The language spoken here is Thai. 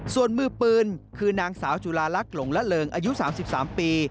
ส่วนมือปืนคือนางสาวจุลาลักษณ์หลงละเริงอายุ๓๓ปี